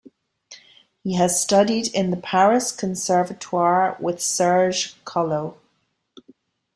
He has studied in the Paris Conservatoire with Serge Collot.